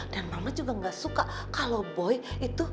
dan mama juga gak suka kalau boy itu